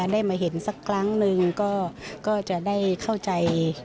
ได้มาเห็นสักครั้งนึงก็จะได้เข้าใจ